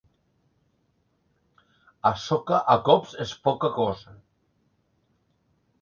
A soca, a cops es poca cosa.